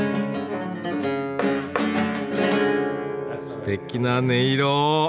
すてきな音色。